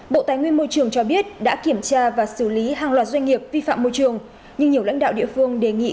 bộ tài nguyên môi trường cho biết đã kiểm tra và xử lý hàng loạt doanh nghiệp vi phạm môi trường nhưng nhiều lãnh đạo địa phương đề nghị